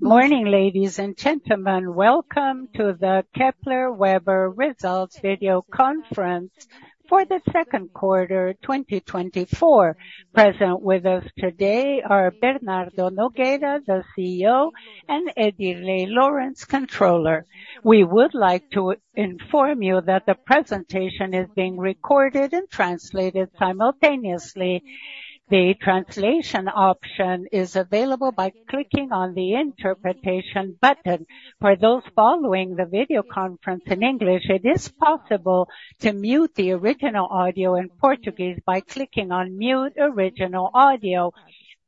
Good morning, ladies and gentlemen. Welcome to the Kepler Weber Results Video Conference for the second quarter, 2024. Present with us today are Bernardo Nogueira, the CEO, and Edirlei Laurenci, Controller. We would like to inform you that the presentation is being recorded and translated simultaneously. The translation option is available by clicking on the interpretation button. For those following the video conference in English, it is possible to mute the original audio in Portuguese by clicking on Mute Original Audio.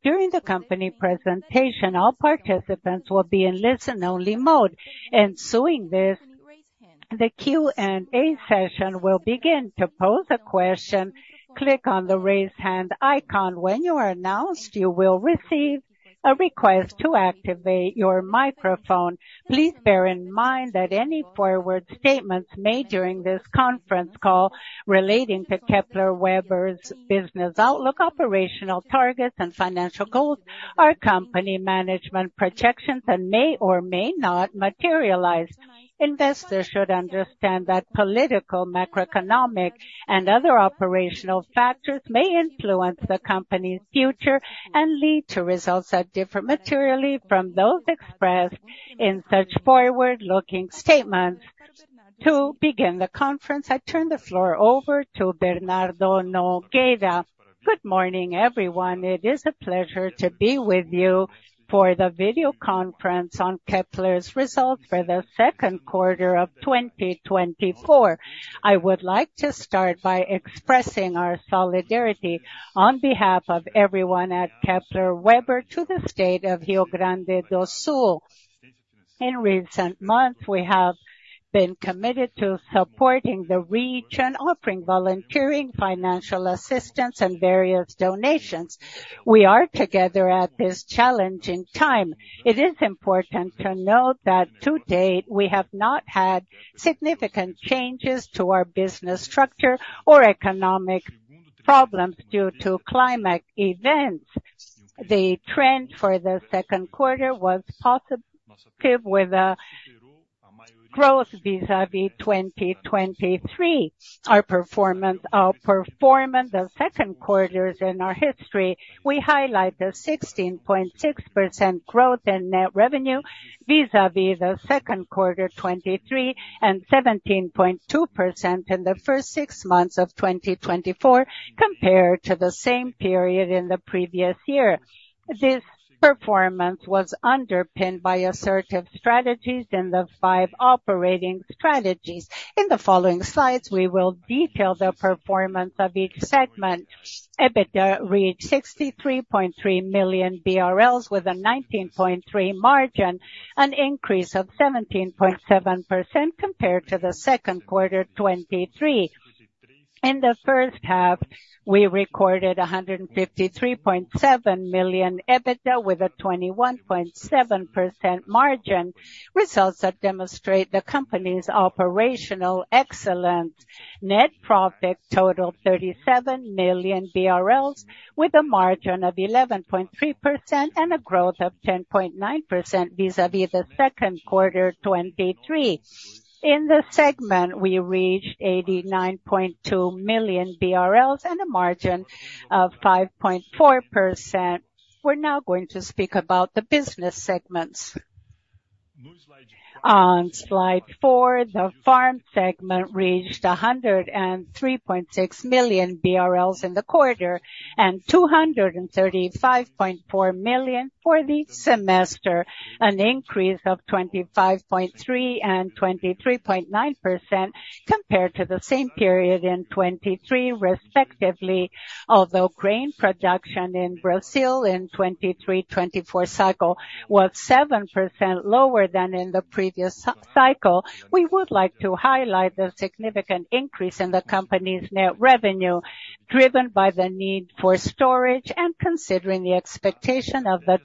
During the company presentation, all participants will be in listen-only mode. Ensuing this, the Q&A session will begin. To pose a question, click on the Raise Hand icon. When you are announced, you will receive a request to activate your microphone. Please bear in mind that any forward statements made during this conference call relating to Kepler Weber's business outlook, operational targets, and financial goals are company management projections and may or may not materialize. Investors should understand that political, macroeconomic, and other operational factors may influence the company's future and lead to results that differ materially from those expressed in such forward-looking statements. To begin the conference, I turn the floor over to Bernardo Nogueira. Good morning, everyone. It is a pleasure to be with you for the video conference on Kepler's results for the second quarter of 2024. I would like to start by expressing our solidarity on behalf of everyone at Kepler Weber to the State of Rio Grande do Sul. In recent months, we have been committed to supporting the region, offering volunteering, financial assistance, and various donations. We are together at this challenging time. It is important to note that to date, we have not had significant changes to our business structure or economic problems due to climate events. The trend for the second quarter was positive with a growth vis-à-vis 2023. Our performance, outperforming the second quarters in our history, we highlight the 16.6% growth in net revenue vis-à-vis the second quarter 2023, and 17.2% in the first six months of 2024, compared to the same period in the previous year. This performance was underpinned by assertive strategies in the five operating strategies. In the following slides, we will detail the performance of each segment. EBITDA reached 63.3 million BRL, with a 19.3% margin, an increase of 17.7% compared to the second quarter 2023. In the first half, we recorded 153.7 million EBITDA, with a 21.7% margin, results that demonstrate the company's operational excellence. Net profit totaled 37 million BRL, with a margin of 11.3% and a growth of 10.9% vis-à-vis the second quarter 2023. In this segment, we reached 89.2 million BRL and a margin of 5.4%. We're now going to speak about the business segments. On Slide 4, the farm segment reached 103.6 million BRL in the quarter, and 235.4 million for the semester, an increase of 25.3% and 23.9% compared to the same period in 2023, respectively. Although grain production in Brazil in 2023-2024 cycle was 7% lower than in the previous cycle, we would like to highlight the significant increase in the company's net revenue, driven by the need for storage and considering the expectation of the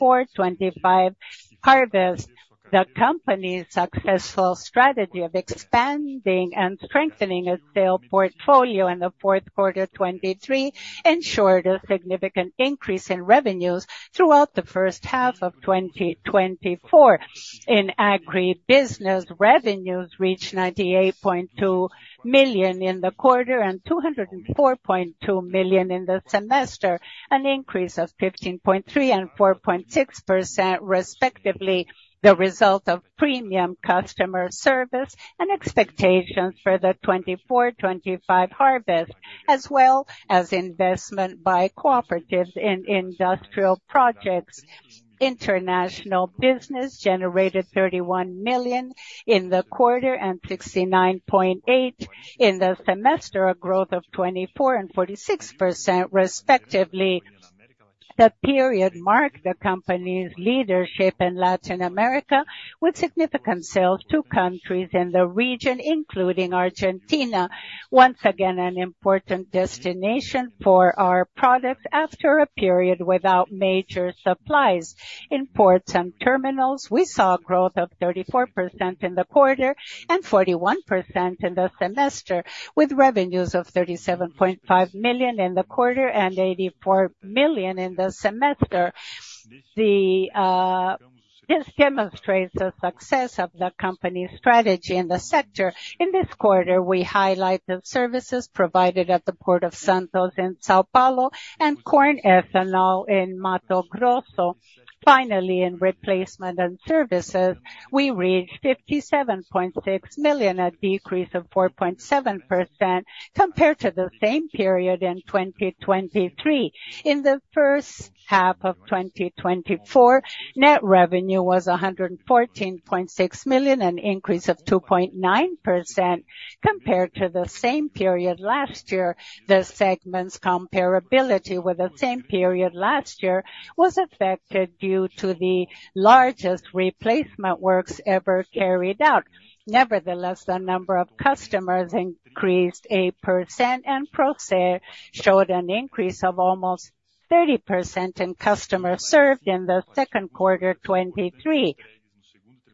2024-2025 harvest. The company's successful strategy of expanding and strengthening its sales portfolio in the fourth quarter 2023 ensured a significant increase in revenues throughout the first half of 2024. In agribusiness, revenues reached 98.2 million in the quarter, and 204.2 million in the semester, an increase of 15.3% and 4.6%, respectively, the result of premium customer service and expectations for the 2024-2025 harvest, as well as investment by cooperatives in industrial projects. International business generated 31 million in the quarter, and 69.8 million in the semester, a growth of 24% and 46%, respectively. The period marked the company's leadership in Latin America, with significant sales to countries in the region, including Argentina. Once again, an important destination for our products after a period without major supplies. In ports and terminals, we saw a growth of 34% in the quarter and 41% in the semester, with revenues of 37.5 million in the quarter and 84 million in the semester. This demonstrates the success of the company's strategy in the sector. In this quarter, we highlight the services provided at the Port of Santos in São Paulo, and corn ethanol in Mato Grosso. Finally, in replacement and services, we reached 57.6 million, a decrease of 4.7% compared to the same period in 2023. In the first half of 2024, net revenue was 114.6 million, an increase of 2.9% compared to the same period last year. The segment's comparability with the same period last year was affected due to the largest replacement works ever carried out. Nevertheless, the number of customers increased 8%, and Procer showed an increase of almost 30% in customers served in the second quarter, 2023.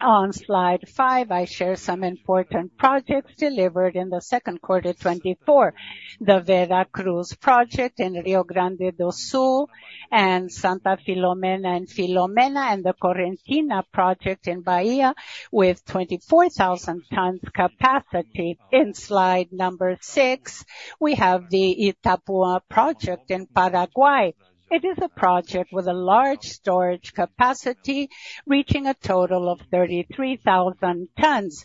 On slide five, I share some important projects delivered in the second quarter, 2024. The Vera Cruz project in Rio Grande do Sul, and Santa Filomena, and the Correntina project in Bahia, with 24,000 tons capacity. In slide number 6, we have the Itapúa project in Paraguay. It is a project with a large storage capacity, reaching a total of 33,000 tons.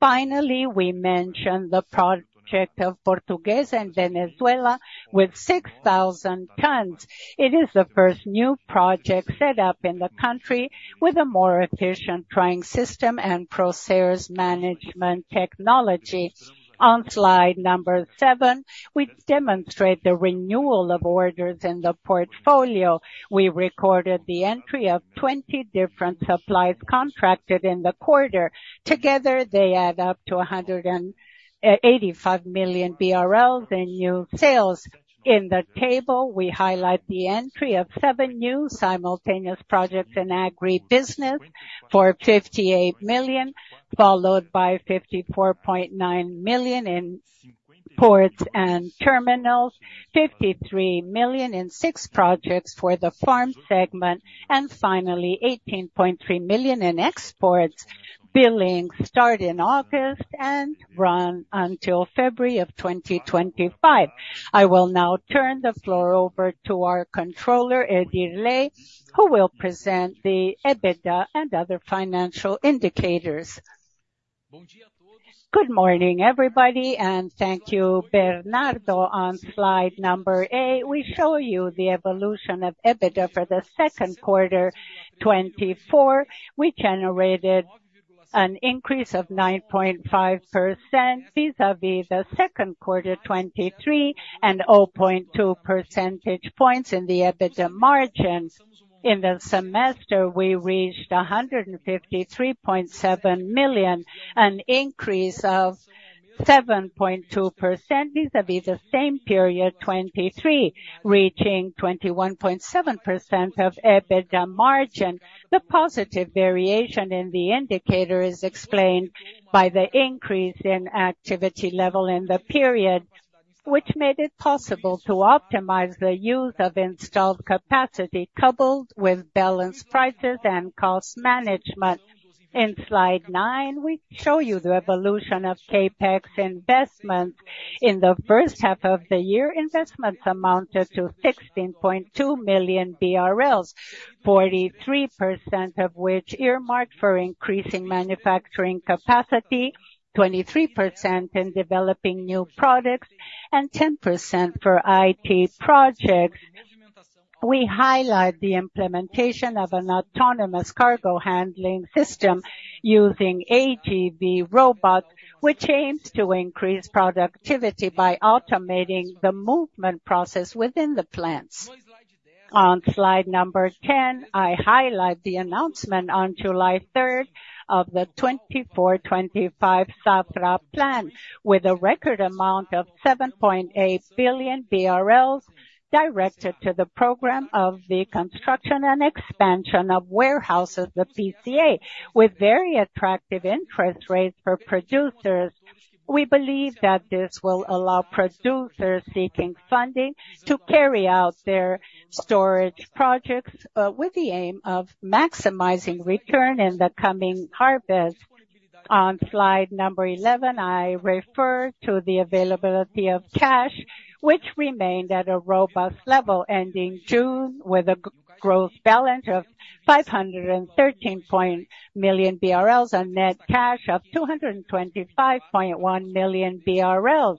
Finally, we mention the project of Portuguesa in Venezuela with 6,000 tons. It is the first new project set up in the country with a more efficient drying system and Procer's management technology. On slide number seven, we demonstrate the renewal of orders in the portfolio. We recorded the entry of 20 different supplies contracted in the quarter. Together, they add up to 185 million BRL in new sales. In the table, we highlight the entry of 7 new simultaneous projects in agribusiness for 58 million, followed by 54.9 million in ports and terminals, 53 million in 6 projects for the farm segment, and finally, 18.3 million in exports. Billings start in August and run until February of 2025. I will now turn the floor over to our controller, Edirlei Laurenci, who will present the EBITDA and other financial indicators. Good morning, everybody, and thank you, Bernardo. On slide number eight, we show you the evolution of EBITDA for the second quarter 2024. We generated an increase of 9.5% vis-a-vis the second quarter 2023, and 0.2 percentage points in the EBITDA margins. In the semester, we reached 153.7 million, an increase of 7.2% vis-a-vis the same period 2023, reaching 21.7% of EBITDA margin. The positive variation in the indicator is explained by the increase in activity level in the period, which made it possible to optimize the use of installed capacity, coupled with balanced prices and cost management. In slide nine, we show you the evolution of CapEx investment. In the first half of the year, investments amounted to 16.2 million BRL, 43% of which earmarked for increasing manufacturing capacity, 23% in developing new products, and 10% for IT projects. We highlight the implementation of an autonomous cargo handling system using AGV robot, which aims to increase productivity by automating the movement process within the plants. On slide 10, I highlight the announcement on July third of the 2024/2025 Safra Plan, with a record amount of 7.8 billion BRL directed to the program of the construction and expansion of warehouses, the PCA, with very attractive interest rates for producers. We believe that this will allow producers seeking funding to carry out their storage projects, with the aim of maximizing return in the coming harvest. On slide number 11, I refer to the availability of cash, which remained at a robust level, ending June with a gross balance of 513 million BRL and net cash of 225.1 million BRL.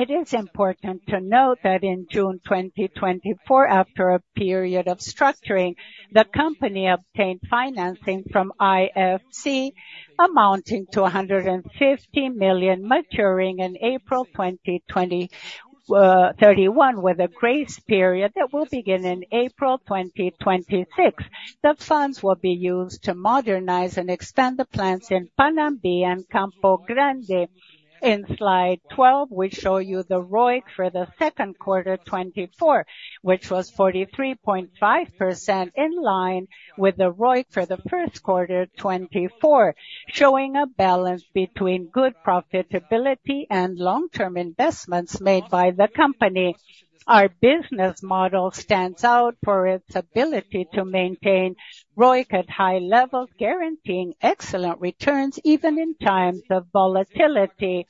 It is important to note that in June 2024, after a period of structuring, the company obtained financing from IFC, amounting to 150 million, maturing in April 2031, with a grace period that will begin in April 2026. The funds will be used to modernize and expand the plants in Panambi and Campo Grande. In slide 12, we show you the ROIC for the second quarter 2024, which was 43.5%, in line with the ROIC for the first quarter 2024, showing a balance between good profitability and long-term investments made by the company. Our business model stands out for its ability to maintain ROIC at high levels, guaranteeing excellent returns, even in times of volatility.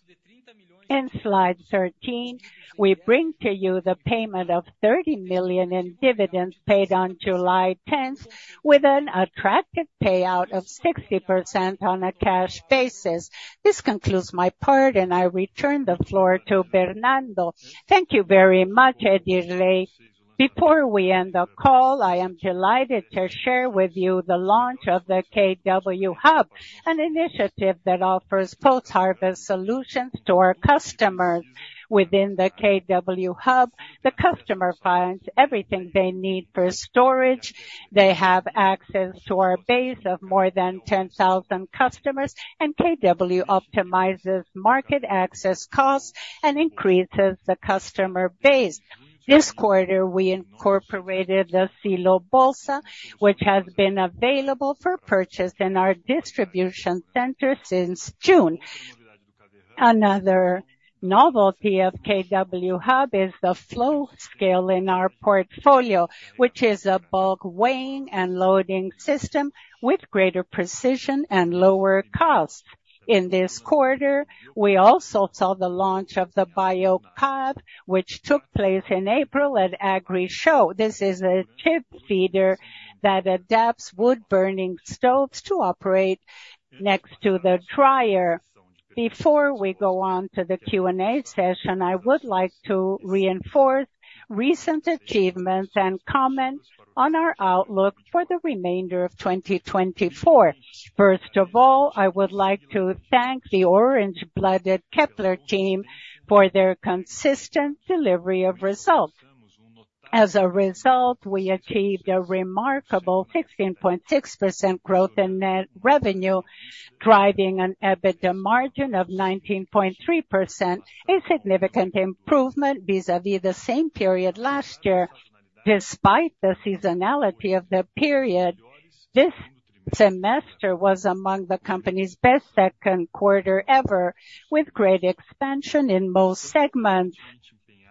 In slide 13, we bring to you the payment of 30 million in dividends paid on July tenth, with an attractive payout of 60% on a cash basis. This concludes my part, and I return the floor to Bernardo. Thank you very much, Edirlei. Before we end the call, I am delighted to share with you the launch of the KW Hub, an initiative that offers post-harvest solutions to our customers. Within the KW Hub, the customer finds everything they need for storage. They have access to our base of more than 10,000 customers, and KW optimizes market access costs and increases the customer base. This quarter, we incorporated the Silo Bolsa, which has been available for purchase in our distribution center since June. Another novelty of KW Hub is the flow scale in our portfolio, which is a bulk weighing and loading system with greater precision and lower cost. In this quarter, we also saw the launch of the BioCab, which took place in April at Agrishow. This is a chip feeder that adapts wood-burning stoves to operate next to the dryer. Before we go on to the Q&A session, I would like to reinforce recent achievements and comments on our outlook for the remainder of 2024. First of all, I would like to thank the orange-blooded Kepler team for their consistent delivery of results. As a result, we achieved a remarkable 15.6% growth in net revenue, driving an EBITDA margin of 19.3%, a significant improvement vis-à-vis the same period last year. Despite the seasonality of the period, this semester was among the company's best second quarter ever, with great expansion in most segments.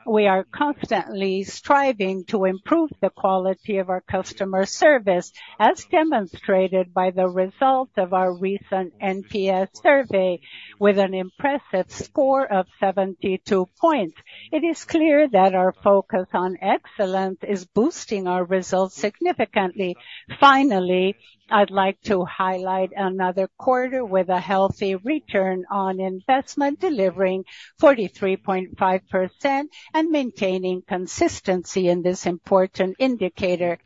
We are constantly striving to improve the quality of our customer service, as demonstrated by the results of our recent NPS survey, with an impressive score of 72 points. It is clear that our focus on excellence is boosting our results significantly. Finally, I'd like to highlight another quarter with a healthy return on investment, delivering 43.5% and maintaining consistency in this important indicator.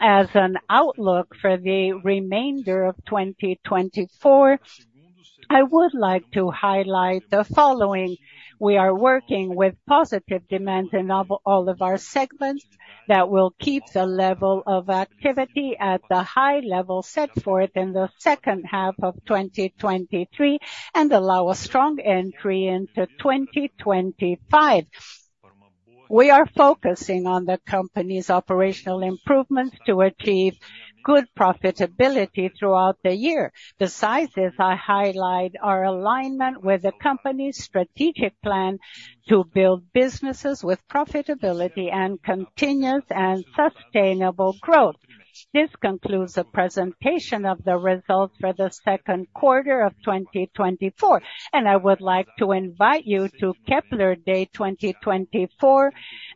As an outlook for the remainder of 2024, I would like to highlight the following: We are working with positive demand in of all of our segments that will keep the level of activity at the high level set forth in the second half of 2023 and allow a strong entry into 2025. We are focusing on the company's operational improvements to achieve good profitability throughout the year. Besides this, I highlight our alignment with the company's strategic plan to build businesses with profitability and continuous and sustainable growth. This concludes the presentation of the results for the second quarter of 2024, and I would like to invite you to Kepler Day 2024,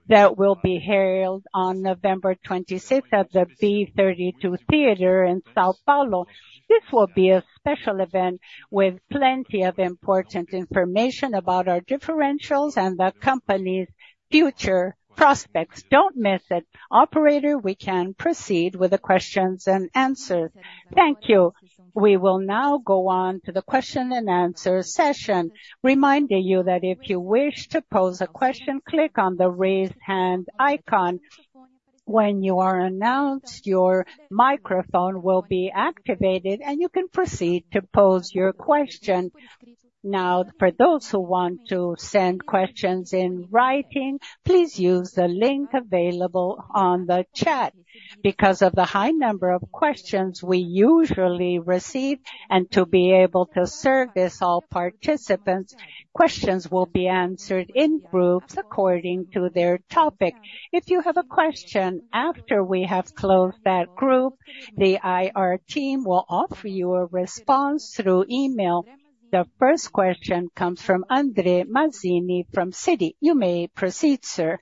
that will be held on November 26th at the B32 Theater in São Paulo. This will be a special event with plenty of important information about our differentials and the company's future prospects. Don't miss it! Operator, we can proceed with the questions and answers. Thank you. We will now go on to the question and answer session, reminding you that if you wish to pose a question, click on the raise hand icon. When you are announced, your microphone will be activated, and you can proceed to pose your question. Now, for those who want to send questions in writing, please use the link available on the chat. Because of the high number of questions we usually receive, and to be able to service all participants, questions will be answered in groups according to their topic. If you have a question after we have closed that group, the IR team will offer you a response through email. The first question comes from André Mazzini, from Citi. You may proceed, sir.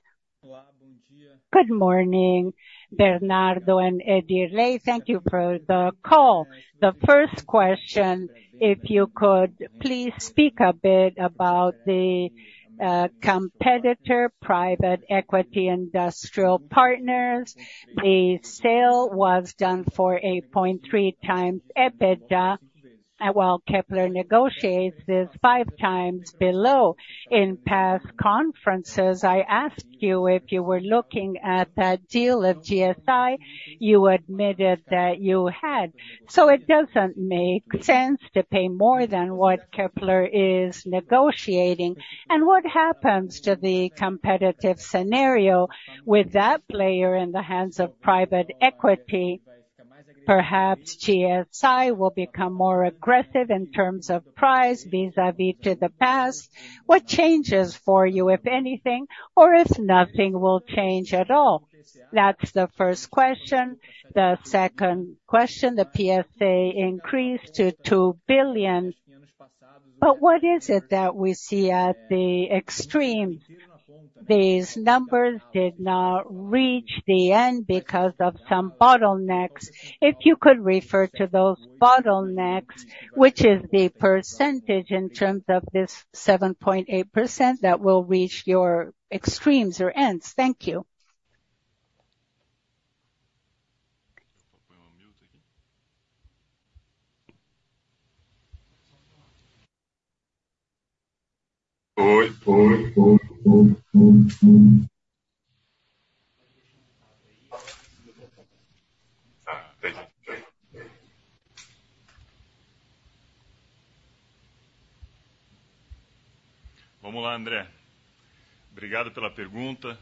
Good morning, Bernardo and Edirlei. Thank you for the call. The first question, if you could please speak a bit about the competitor, private equity Industrial Partners. The sale was done for 8.3x EBITDA. While Kepler negotiates this 5 times below. In past conferences, I asked you if you were looking at that deal of GSI. You admitted that you had. So it doesn't make sense to pay more than what Kepler is negotiating. And what happens to the competitive scenario with that player in the hands of private equity? Perhaps GSI will become more aggressive in terms of price vis-à-vis to the past. What changes for you, if anything, or if nothing will change at all? That's the first question. The second question, the PCA increased to 2 billion. But what is it that we see at the extreme? These numbers did not reach the end because of some bottlenecks. If you could refer to those bottlenecks, which is the percentage in terms of this 7.8% that will reach your extremes or ends? Thank you.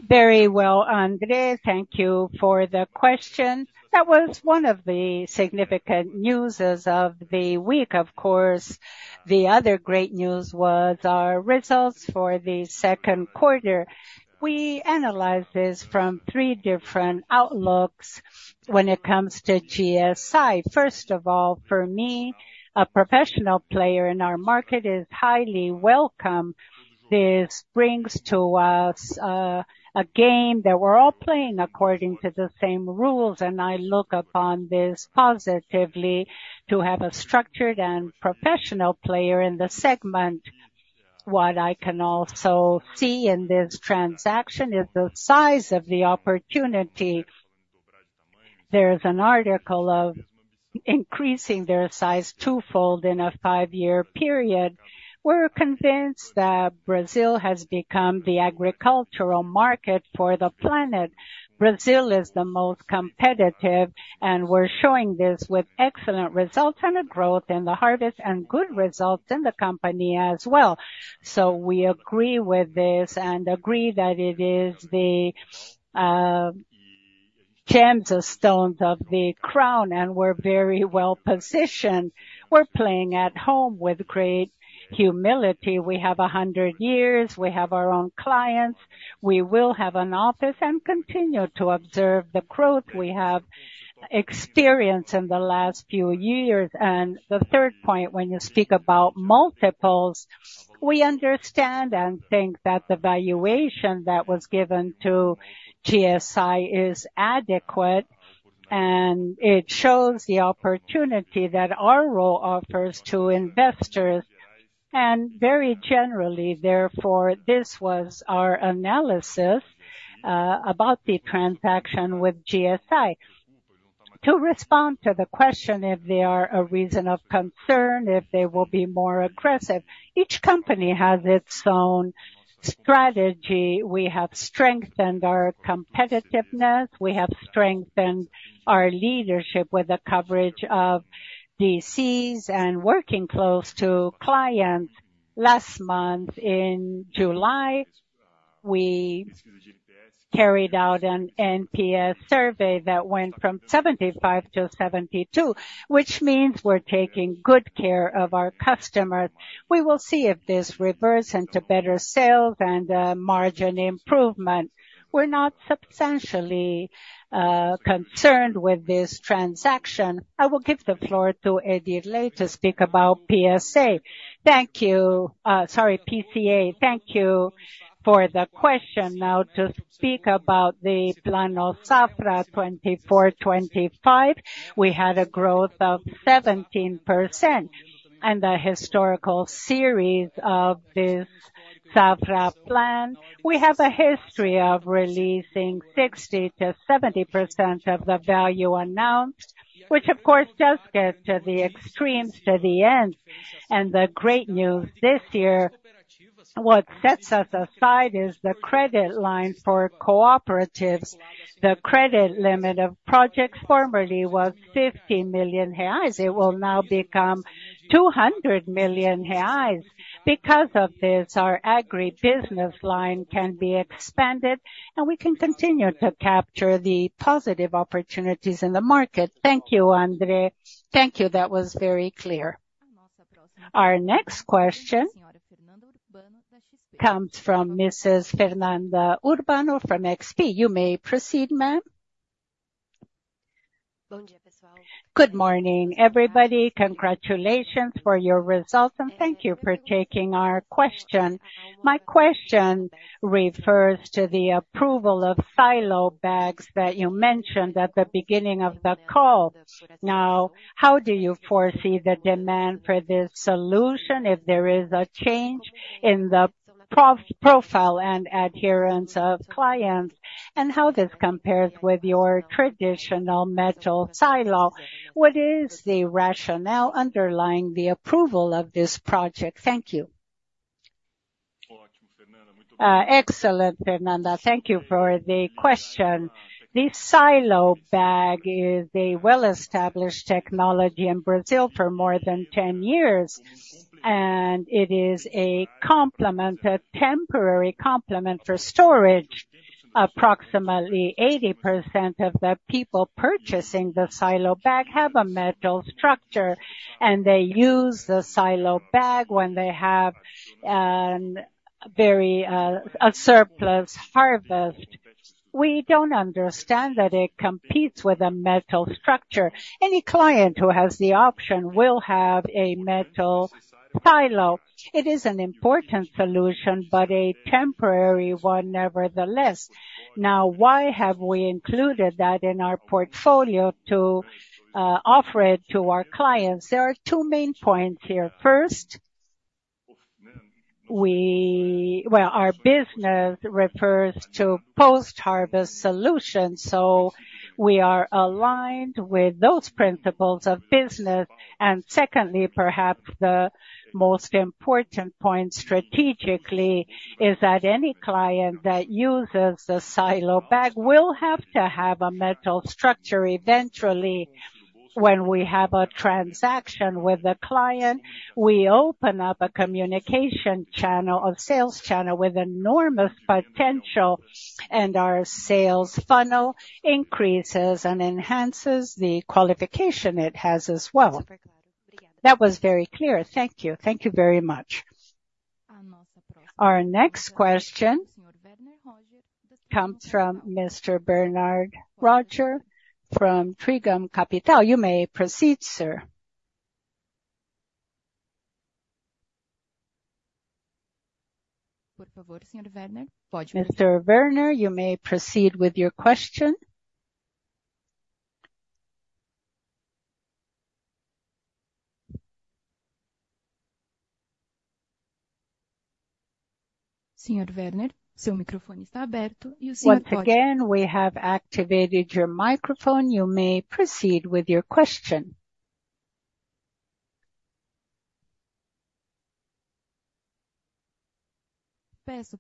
Very well, Andre, thank you for the question. That was one of the significant news as of the week. Of course, the other great news was our results for the second quarter. We analyzed this from three different outlooks when it comes to GSI. First of all, for me, a professional player in our market is highly welcome. This brings to us a game that we're all playing according to the same rules, and I look upon this positively to have a structured and professional player in the segment. What I can also see in this transaction is the size of the opportunity. There is an article of increasing their size twofold in a five-year period. We're convinced that Brazil has become the agricultural market for the planet. Brazil is the most competitive, and we're showing this with excellent results and a growth in the harvest and good results in the company as well. So we agree with this and agree that it is the gemstone of the crown, and we're very well positioned. We're playing at home with great humility. We have 100 years, we have our own clients. We will have an office and continue to observe the growth we have experienced in the last few years. And the third point, when you speak about multiples, we understand and think that the valuation that was given to GSI is adequate, and it shows the opportunity that our role offers to investors. And very generally, therefore, this was our analysis about the transaction with GSI. To respond to the question, if they are a reason of concern, if they will be more aggressive, each company has its own strategy. We have strengthened our competitiveness, we have strengthened our leadership with the coverage of DCs and working close to clients. Last month, in July, we carried out an NPS survey that went from 75 to 72, which means we're taking good care of our customers. We will see if this reverts into better sales and margin improvement. We're not substantially concerned with this transaction. I will give the floor to Edirlei to speak about PSA. Thank you. Sorry, PCA. Thank you for the question. Now, to speak about the Plano Safra 2024, 2025, we had a growth of 17%. And the historical series of this Safra plan, we have a history of releasing 60%-70% of the value announced, which of course, does get to the extremes to the end. And the great news this year, what sets us aside is the credit line for cooperatives. The credit limit of projects formerly was 50 million reais. It will now become 200 million reais. Because of this, our agribusiness line can be expanded, and we can continue to capture the positive opportunities in the market. Thank you, Andre. Thank you. That was very clear. Our next question comes from Mrs. Fernanda Urbano from XP. You may proceed, ma'am. Good morning, everybody. Congratulations for your results, and thank you for taking our question. My question refers to the approval of silo bags that you mentioned at the beginning of the call. Now, how do you foresee the demand for this solution, if there is a change in the profile and adherence of clients, and how this compares with your traditional metal silo. What is the rationale underlying the approval of this project? Thank you. Excellent, Fernanda. Thank you for the question. The silo bag is a well-established technology in Brazil for more than 10 years, and it is a complement, a temporary complement for storage. Approximately 80% of the people purchasing the silo bag have a metal structure, and they use the silo bag when they have, very, a surplus harvest. We don't understand that it competes with a metal structure. Any client who has the option will have a metal silo. It is an important solution, but a temporary one nevertheless. Now, why have we included that in our portfolio to offer it to our clients? There are two main points here: First, we, well, our business refers to post-harvest solutions, so we are aligned with those principles of business. And secondly, perhaps the most important point strategically is that any client that uses the silo bag will have to have a metal structure eventually. When we have a transaction with a client, we open up a communication channel, a sales channel with enormous potential, and our sales funnel increases and enhances the qualification it has as well. That was very clear. Thank you. Thank you very much. Our next question comes from Mr. Werner Roger from Trigono Capital. You may proceed, sir. Mr. Werner, you may proceed with your question. Once again, we have activated your microphone. You may proceed with your question. If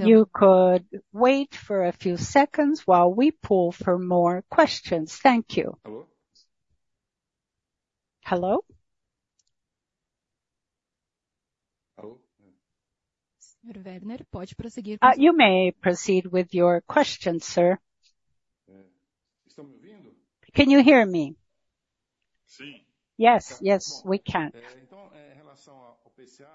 you could wait for a few seconds while we pull for more questions. Thank you. Hello? Hello? Hello. You may proceed with your question, sir. Can you hear me? Yes, yes, we can.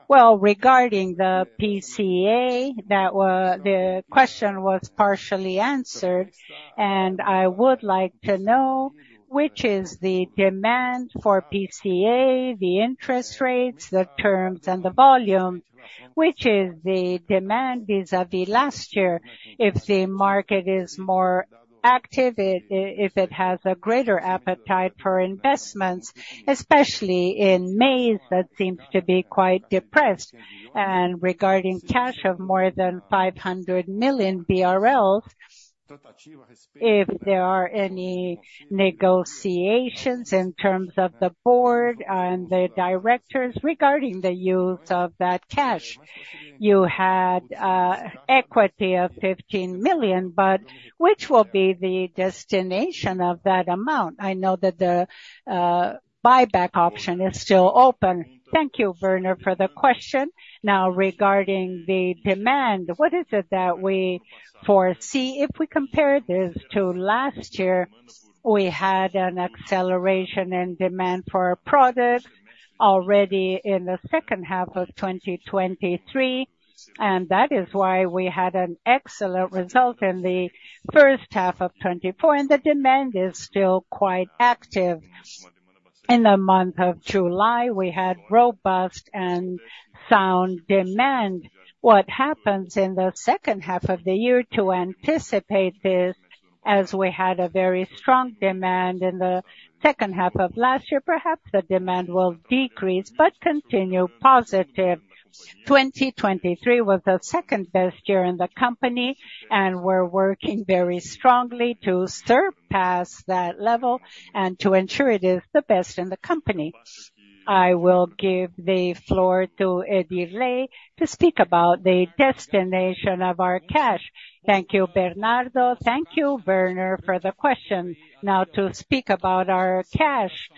Well, regarding the PCA, that the question was partially answered, and I would like to know which is the demand for PCA, the interest rates, the terms and the volume, which is the demand vis-à-vis last year, if the market is more active, if it has a greater appetite for investments, especially in corn, that seems to be quite depressed. And regarding cash of more than 500 million BRL, if there are any negotiations in terms of the board and the directors regarding the use of that cash. You had equity of 15 million, but which will be the destination of that amount? I know that the buyback option is still open. Thank you, Werner, for the question. Now, regarding the demand, what is it that we foresee? If we compare this to last year, we had an acceleration in demand for our products already in the second half of 2023, and that is why we had an excellent result in the first half of 2024, and the demand is still quite active. In the month of July, we had robust and sound demand. What happens in the second half of the year to anticipate this, as we had a very strong demand in the second half of last year, perhaps the demand will decrease but continue positive. 2023 was the second best year in the company, and we're working very strongly to surpass that level and to ensure it is the best in the company. I will give the floor to Edirlei to speak about the destination of our cash. Thank you, Bernardo. Thank you, Werner, for the question. Now, to speak about our cash,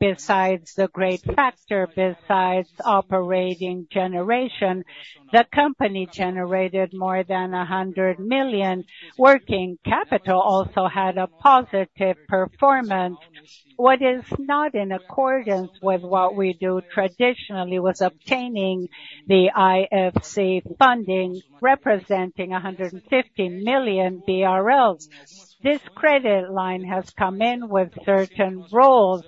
besides the great factor, besides operating generation, the company generated more than 100 million. Working capital also had a positive performance. What is not in accordance with what we do traditionally was obtaining the IFC funding, representing 150 million BRL. This credit line has come in with certain roles.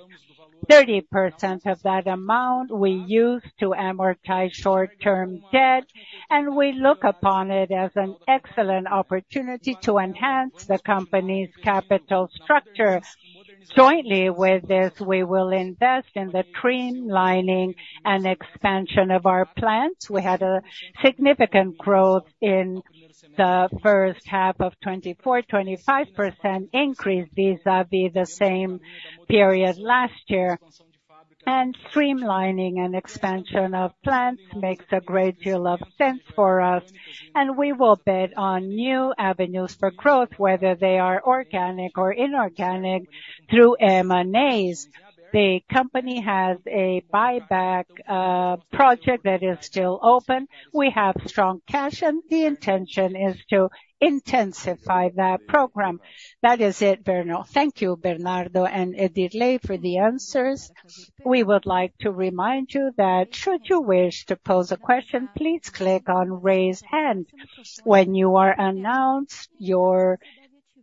30% of that amount we use to amortize short-term debt, and we look upon it as an excellent opportunity to enhance the company's capital structure. Jointly with this, we will invest in the train lining and expansion of our plants. We had a significant growth in the first half of 2024, 25% increase vis-a-vis the same period last year. Streamlining and expansion of plants makes a great deal of sense for us, and we will bet on new avenues for growth, whether they are organic or inorganic, through M&As. The company has a buyback project that is still open. We have strong cash, and the intention is to intensify that program. That is it, Berno. Thank you, Bernardo and Edirlei Laurenci, for the answers. We would like to remind you that should you wish to pose a question, please click on Raise Hand. When you are announced, your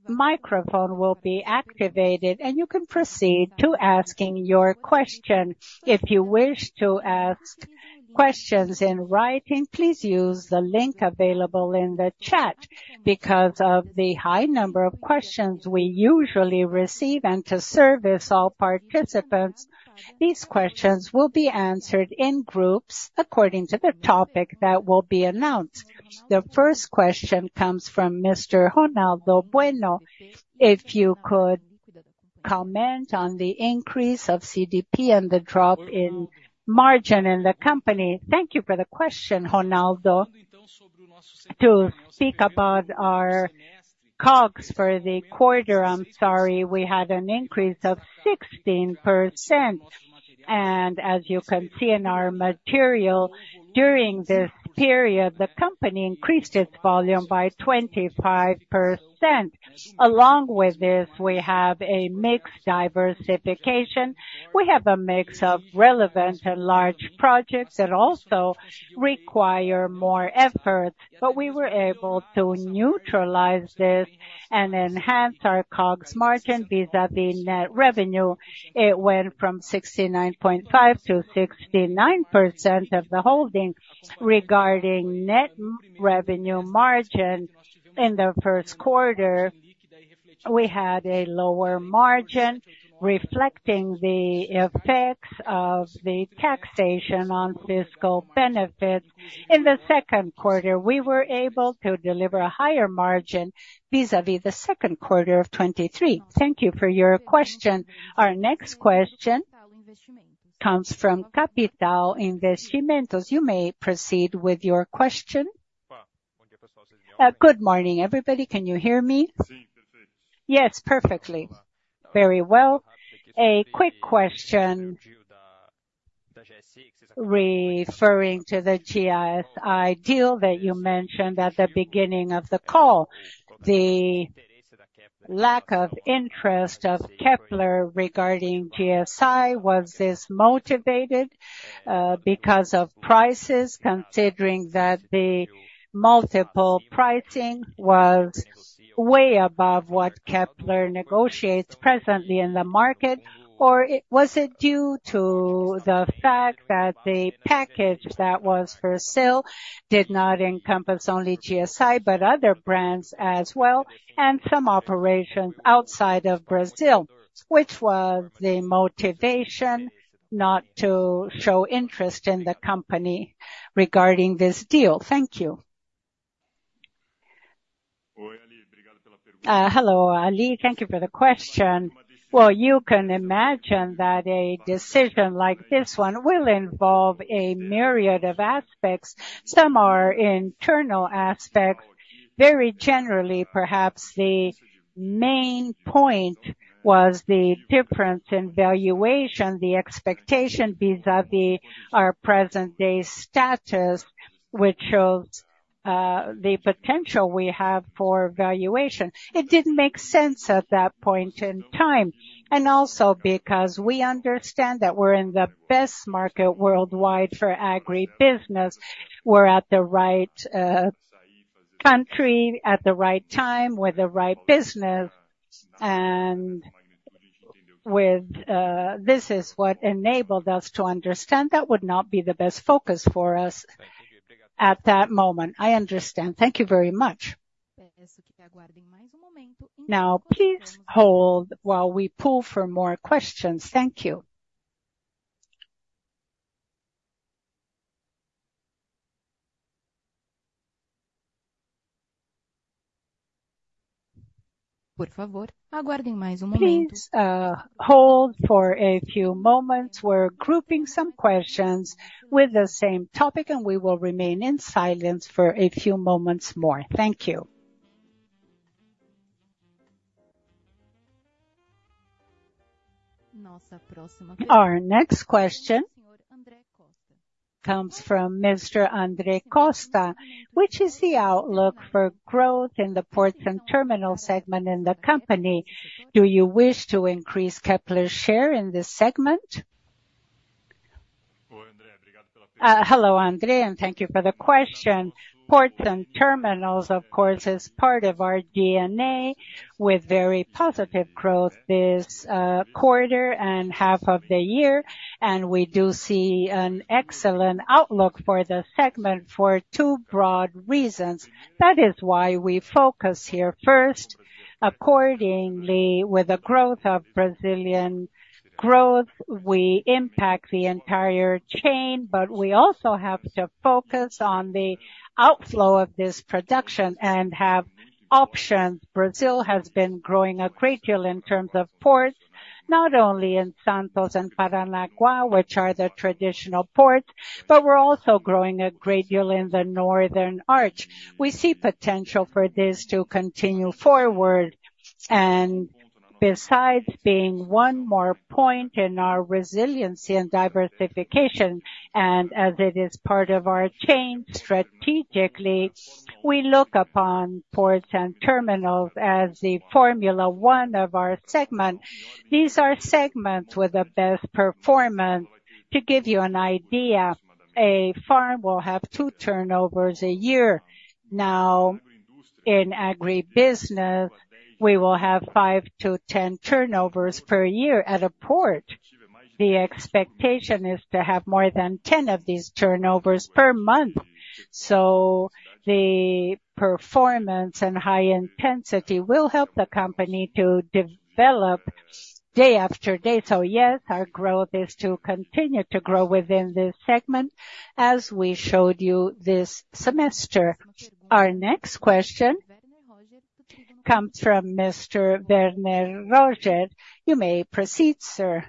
microphone will be activated, and you can proceed to asking your question. If you wish to ask questions in writing, please use the link available in the chat. Because of the high number of questions we usually receive and to service all participants, these questions will be answered in groups according to the topic that will be announced. The first question comes from Mr. Ronaldo Bueno: If you could comment on the increase of COGS and the drop in margin in the company? Thank you for the question, Ronaldo. To speak about our COGS for the quarter, I'm sorry, we had an increase of 16%. And as you can see in our material, during this period, the company increased its volume by 25%. Along with this, we have a mix of relevant and large projects that also require more effort, but we were able to neutralize this and enhance our COGS margin vis-a-vis net revenue. It went from 69.5 to 69% of the holding. Regarding net revenue margin, in the first quarter, we had a lower margin, reflecting the effects of the taxation on fiscal benefits. In the second quarter, we were able to deliver a higher margin vis-a-vis the second quarter of 2023. Thank you for your question. Our next question comes from Kapitalo Investimentos. You may proceed with your question. Good morning, everybody. Can you hear me? Yes, perfectly. Very well. A quick question, referring to the GSI deal that you mentioned at the beginning of the call. The lack of interest of Kepler regarding GSI, was this motivated, because of prices, considering that the multiple pricing was way above what Kepler negotiates presently in the market? Or was it due to the fact that the package that was for sale did not encompass only GSI, but other brands as well, and some operations outside of Brazil, which was the motivation not to show interest in the company regarding this deal? Thank you. Hello, Ali. Thank you for the question. Well, you can imagine that a decision like this one will involve a myriad of aspects. Some are internal aspects. Very generally, perhaps the main point was the difference in valuation, the expectation vis-à-vis our present-day status, which shows the potential we have for valuation. It didn't make sense at that point in time, and also because we understand that we're in the best market worldwide for agribusiness. We're at the right country, at the right time, with the right business, and with this is what enabled us to understand that would not be the best focus for us at that moment. I understand. Thank you very much. Now, please hold while we pull for more questions. Thank you. Please hold for a few moments. We're grouping some questions with the same topic, and we will remain in silence for a few moments more. Thank you. Our next question comes from Mr. Andre Costa. Which is the outlook for growth in the ports and terminal segment in the company? Do you wish to increase Kepler's share in this segment? Hello, Andre, and thank you for the question. Ports and terminals, of course, is part of our DNA, with very positive growth this quarter and half of the year, and we do see an excellent outlook for the segment for two broad reasons. That is why we focus here. First, accordingly, with the growth of Brazilian growth, we impact the entire chain, but we also have to focus on the outflow of this production and have options. Brazil has been growing a great deal in terms of ports, not only in Santos and Paranaguá, which are the traditional ports, but we're also growing a great deal in the northern arch. We see potential for this to continue forward, and besides being one more point in our resiliency and diversification, and as it is part of our chain, strategically, we look upon ports and terminals as the Formula One of our segment. These are segments with the best performance. To give you an idea, a farm will have 2 turnovers a year. Now, in agribusiness, we will have 5-10 turnovers per year. At a port, the expectation is to have more than 10 of these turnovers per month. So the performance and high intensity will help the company to develop day after day. So yes, our growth is to continue to grow within this segment, as we showed you this semester. Our next question comes from Mr. Werner Roger. You may proceed, sir.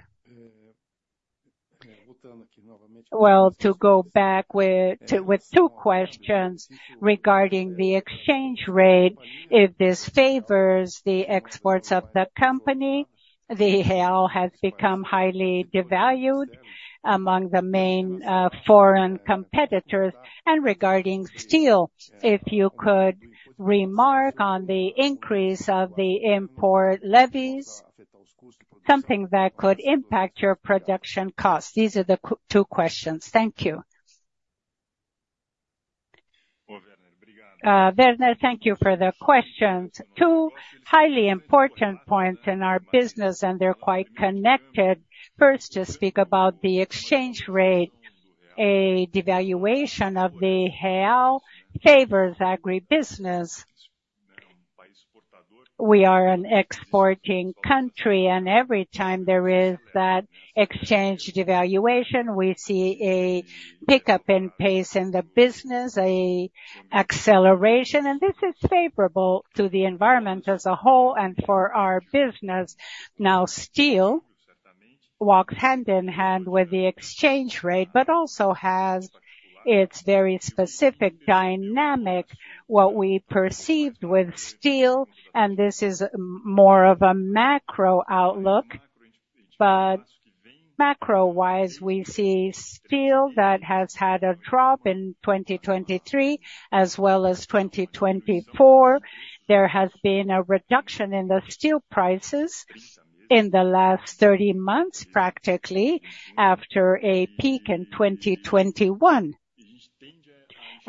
Well, to go back with, with two questions regarding the exchange rate, if this favors the exports of the company, the real has become highly devalued among the main, foreign competitors. And regarding steel, if you could remark on the increase of the import levies, something that could impact your production costs. These are the two questions. Thank you. Werner, thank you for the questions. Two highly important points in our business, and they're quite connected. First, to speak about the exchange rate, a devaluation of the real favors agribusiness. We are an exporting country, and every time there is that exchange devaluation, we see a pickup in pace in the business, a acceleration, and this is favorable to the environment as a whole and for our business. Now, steel walks hand in hand with the exchange rate, but also has its very specific dynamic. What we perceived with steel, and this is more of a macro outlook, but macro-wise, we see steel that has had a drop in 2023 as well as 2024. There has been a reduction in the steel prices in the last 30 months, practically, after a peak in 2021.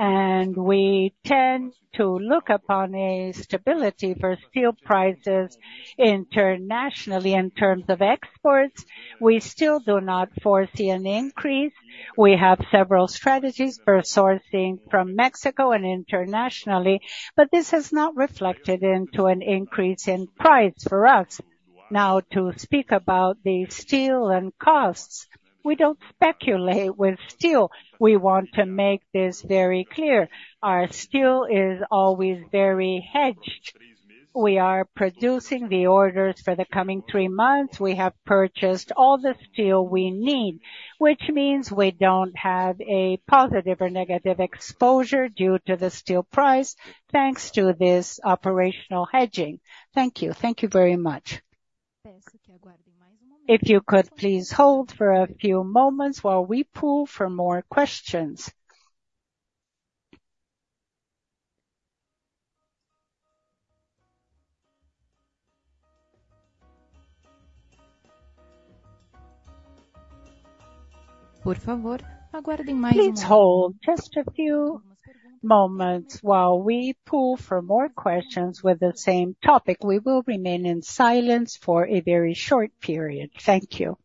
We tend to look upon a stability for steel prices internationally. In terms of exports, we still do not foresee an increase. We have several strategies for sourcing from Mexico and internationally, but this has not reflected into an increase in price for us. Now, to speak about the steel and costs, we don't speculate with steel. We want to make this very clear. Our steel is always very hedged. We are producing the orders for the coming 3 months. We have purchased all the steel we need, which means we don't have a positive or negative exposure due to the steel price, thanks to this operational hedging. Thank you. Thank you very much. If you could please hold for a few moments while we poll for more questions. Please hold just a few moments while we poll for more questions with the same topic. We will remain in silence for a very short period. Thank you.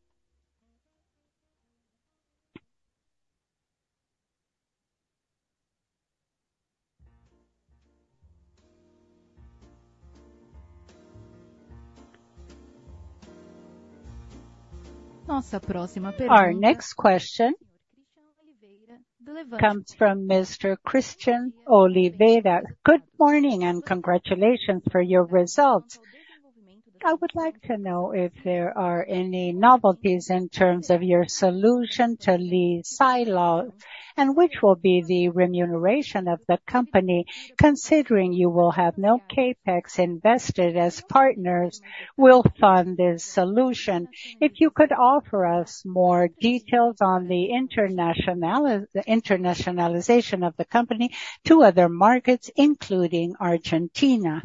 Our next question comes from Mr. Cristian Oliveira. Good morning, and congratulations for your results. I would like to know if there are any novelties in terms of your solution to lease silo, and which will be the remuneration of the company, considering you will have no CapEx invested as partners will fund this solution. If you could offer us more details on the internationalization of the company to other markets, including Argentina?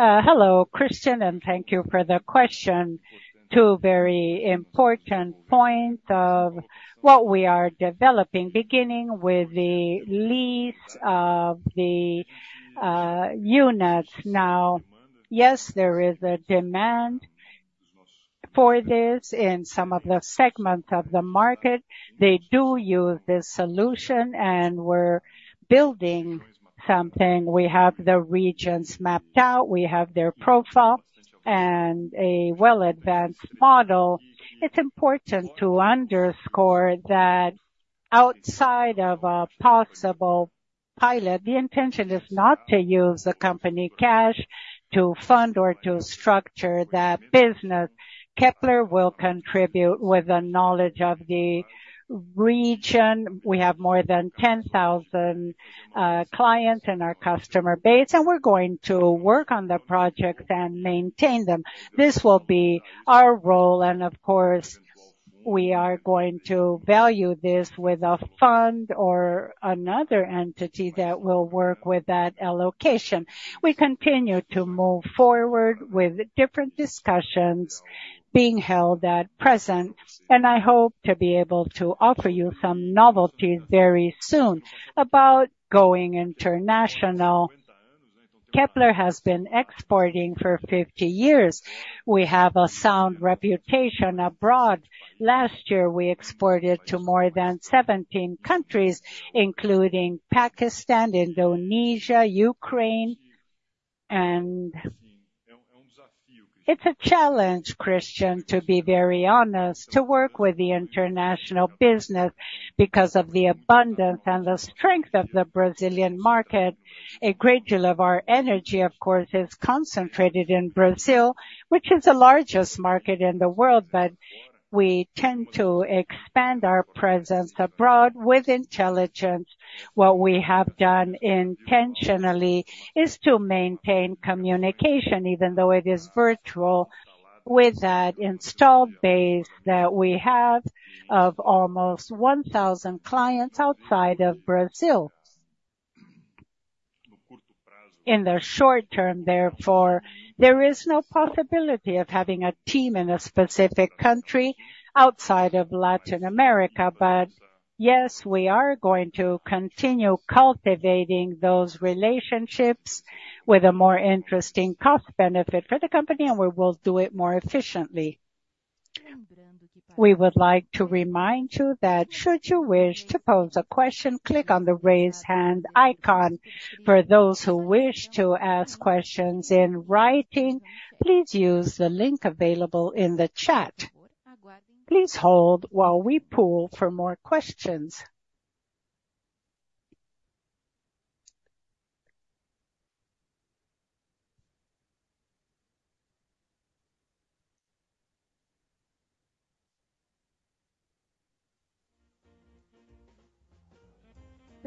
Hello, Christian, and thank you for the question. Two very important point of what we are developing, beginning with the leads of the units. Now, yes, there is a demand for this in some of the segments of the market. They do use this solution, and we're building something. We have the regions mapped out, we have their profile and a well-advanced model. It's important to underscore that outside of a possible pilot, the intention is not to use the company cash to fund or to structure that business. Kepler will contribute with the knowledge of the region. We have more than 10,000 clients in our customer base, and we're going to work on the projects and maintain them. This will be our role and of course, we are going to value this with a fund or another entity that will work with that allocation. We continue to move forward with different discussions being held at present, and I hope to be able to offer you some novelty very soon. About going international, Kepler has been exporting for 50 years. We have a sound reputation abroad. Last year, we exported to more than 17 countries, including Pakistan, Indonesia, Ukraine. It's a challenge, Christian, to be very honest, to work with the international business because of the abundance and the strength of the Brazilian market. A great deal of our energy, of course, is concentrated in Brazil, which is the largest market in the world, but we tend to expand our presence abroad with intelligence. What we have done intentionally is to maintain communication, even though it is virtual, with that installed base that we have of almost 1,000 clients outside of Brazil. In the short term, therefore, there is no possibility of having a team in a specific country outside of Latin America, but yes, we are going to continue cultivating those relationships with a more interesting cost benefit for the company, and we will do it more efficiently. We would like to remind you that should you wish to pose a question, click on the Raise Hand icon. For those who wish to ask questions in writing, please use the link available in the chat. Please hold while we poll for more questions.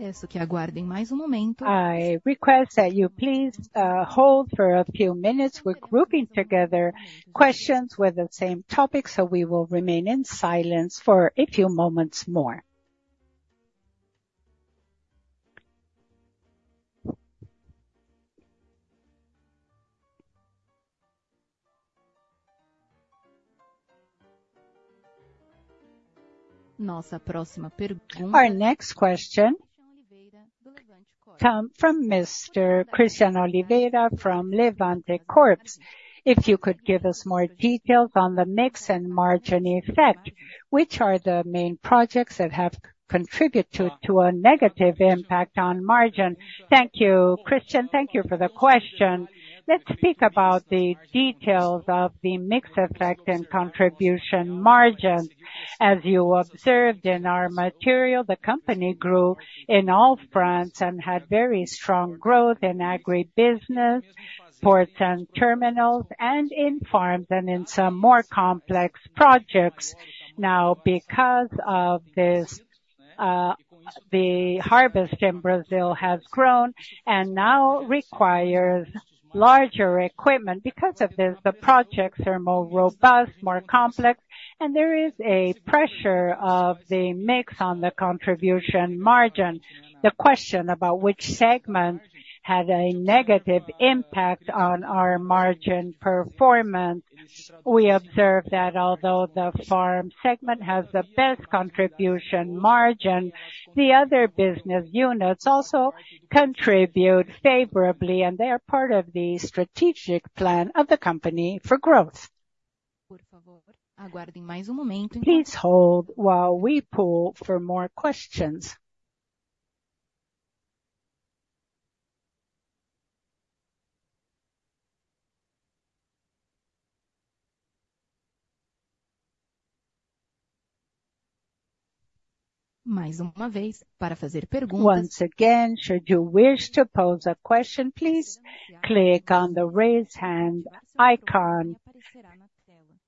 I ask that you aguardem mais um momento. I request that you please hold for a few minutes. We're grouping together questions with the same topic, so we will remain in silence for a few moments more. Nossa próxima pergunta- Our next question come from Mr. Christian Oliveira, from Levante Corp. If you could give us more details on the mix and margin effect, which are the main projects that have contributed to a negative impact on margin? Thank you, Christian. Thank you for the question. Let's speak about the details of the mix effect and contribution margin. As you observed in our material, the company grew in all fronts and had very strong growth in agribusiness, ports and terminals, and in farms and in some more complex projects. Now, because of this, the harvest in Brazil has grown and now requires larger equipment. Because of this, the projects are more robust, more complex, and there is a pressure of the mix on the contribution margin. The question about which segment had a negative impact on our margin performance. We observed that although the farm segment has the best contribution margin, the other business units also contribute favorably, and they are part of the strategic plan of the company for growth. Please hold while we poll for more questions. Once again, should you wish to pose a question, please click on the Raise Hand icon....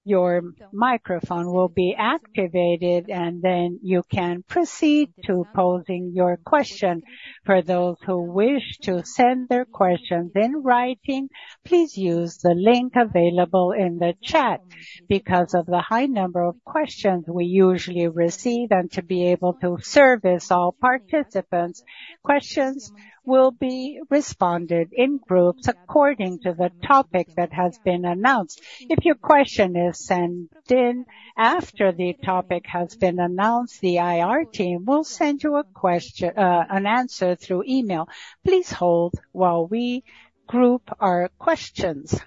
Your microphone will be activated, and then you can proceed to posing your question. For those who wish to send their questions in writing, please use the link available in the chat. Because of the high number of questions we usually receive, and to be able to service all participants, questions will be responded in groups according to the topic that has been announced. If your question is sent in after the topic has been announced, the IR team will send you a question, an answer through email. Please hold while we group our questions.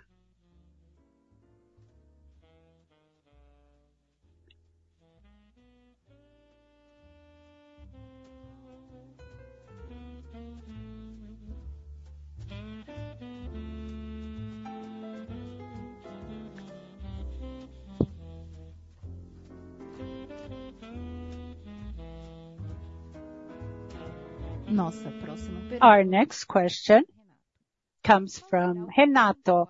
Our next question comes from Renato: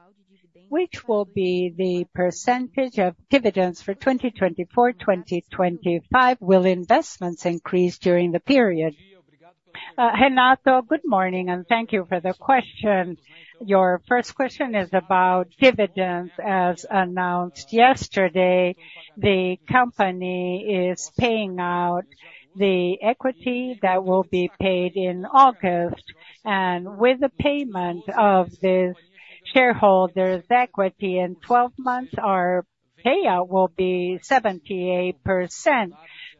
Which will be the percentage of dividends for 2024, 2025? Will investments increase during the period? Renato, good morning, and thank you for the question. Your first question is about dividends. As announced yesterday, the company is paying out the equity that will be paid in August, and with the payment of this shareholders' equity in 12 months, our payout will be 78%.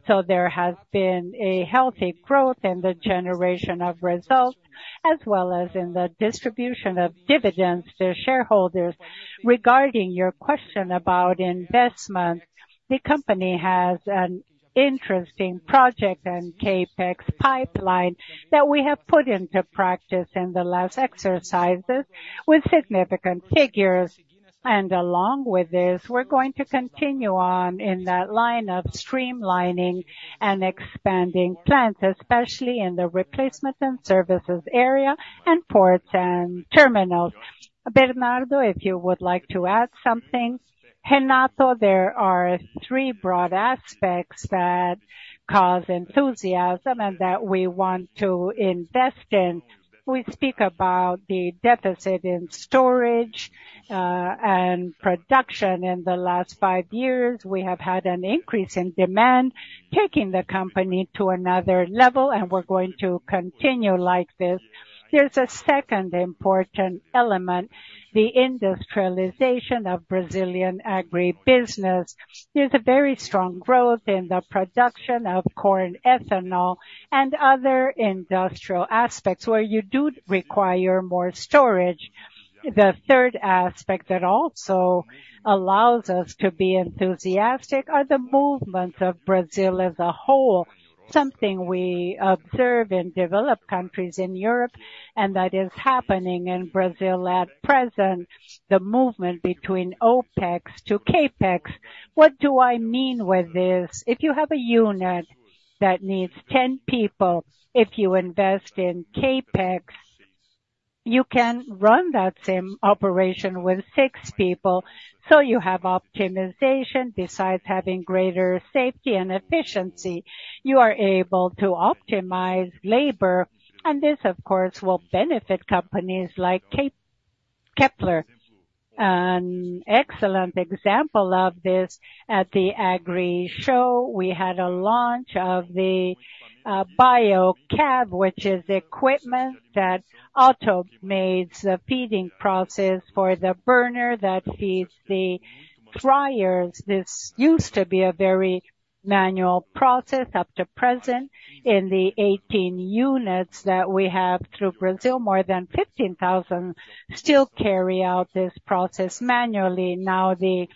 So there has been a healthy growth in the generation of results, as well as in the distribution of dividends to shareholders. Regarding your question about investment, the company has an interesting project and CapEx pipeline that we have put into practice in the last exercises with significant figures. And along with this, we're going to continue on in that line of streamlining and expanding plants, especially in the replacement and services area and ports and terminals. Bernardo, if you would like to add something? Renato, there are three broad aspects that cause enthusiasm and that we want to invest in. We speak about the deficit in storage and production. In the last five years, we have had an increase in demand, taking the company to another level, and we're going to continue like this. There's a second important element, the industrialization of Brazilian agribusiness. There's a very strong growth in the production of corn, ethanol, and other industrial aspects where you do require more storage. The third aspect that also allows us to be enthusiastic are the movements of Brazil as a whole, something we observe in developed countries in Europe, and that is happening in Brazil at present, the movement between OpEx to CapEx. What do I mean with this? If you have a unit that needs 10 people, if you invest in CapEx, you can run that same operation with 6 people, so you have optimization. Besides having greater safety and efficiency, you are able to optimize labor, and this, of course, will benefit companies like Kepler Weber. An excellent example of this, at the agri show, we had a launch of the BioCab, which is equipment that automates the feeding process for the burner that feeds the dryers. This used to be a very manual process up to present. In the 18 units that we have through Brazil, more than 15,000 still carry out this process manually. Now, the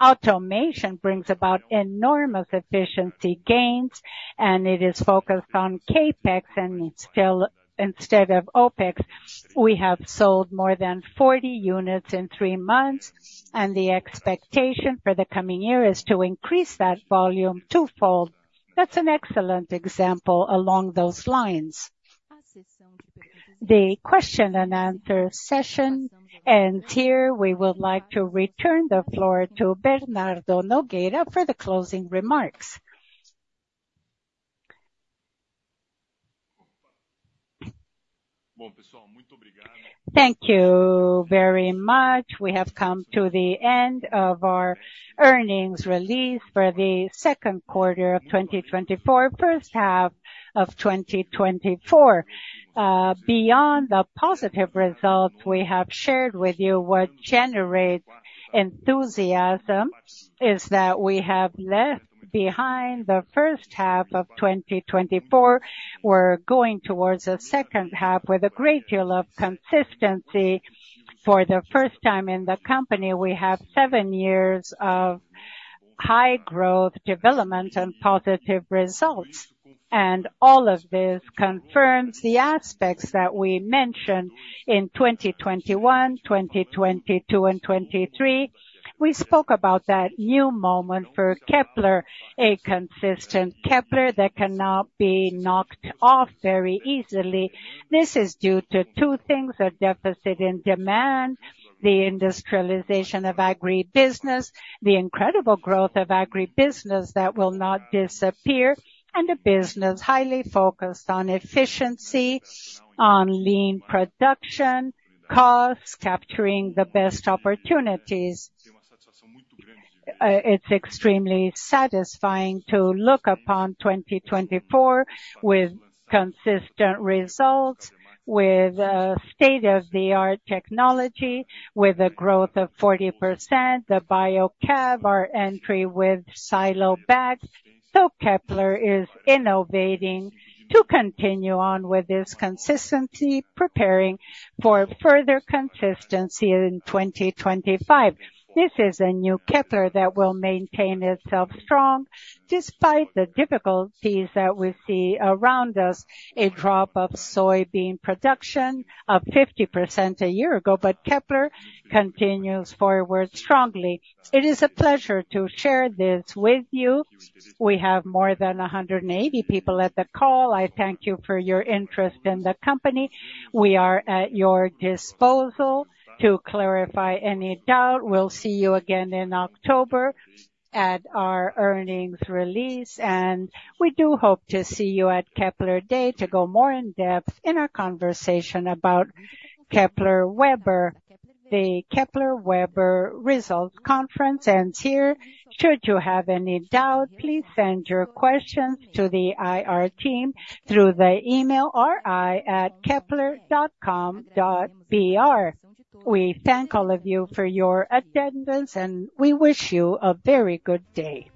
automation brings about enormous efficiency gains, and it is focused on CapEx, and still, instead of OpEx, we have sold more than 40 units in three months, and the expectation for the coming year is to increase that volume twofold. That's an excellent example along those lines. The question and answer session ends here. We would like to return the floor to Bernardo Nogueira for the closing remarks. Thank you very much. We have come to the end of our earnings release for the second quarter of 2024, first half of 2024. Beyond the positive results we have shared with you, what generates enthusiasm is that we have left behind the first half of 2024. We're going towards the second half with a great deal of consistency. For the first time in the company, we have 7 years of high growth, development, and positive results, and all of this confirms the aspects that we mentioned in 2021, 2022, and 2023. We spoke about that new moment for Kepler, a consistent Kepler that cannot be knocked off very easily. This is due to two things: a deficit in demand, the industrialization of agribusiness, the incredible growth of agribusiness that will not disappear, and a business highly focused on efficiency, on lean production, costs, capturing the best opportunities. It's extremely satisfying to look upon 2024 with consistent results, with state-of-the-art technology, with a growth of 40%, the BioCab, our entry with silo bags. So Kepler is innovating to continue on with this consistency, preparing for further consistency in 2025. This is a new Kepler that will maintain itself strong despite the difficulties that we see around us, a drop of soybean production of 50% a year ago, but Kepler continues forward strongly. It is a pleasure to share this with you. We have more than 180 people at the call. I thank you for your interest in the company. We are at your disposal to clarify any doubt. We'll see you again in October at our earnings release, and we do hope to see you at Kepler Day to go more in depth in our conversation about Kepler Weber. The Kepler Weber Results Conference ends here. Should you have any doubt, please send your questions to the IR team through the email ri@kepler.com.br. We thank all of you for your attendance, and we wish you a very good day.